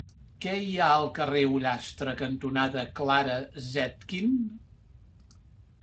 Què hi ha al carrer Ullastre cantonada Clara Zetkin?